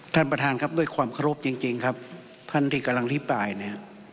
ท่านประธานครับด้วยความเคารพจริงจริงครับท่านที่กำลังอภิปรายเนี่ย